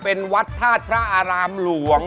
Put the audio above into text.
เป็นวัดธาตุพระอารามหลวง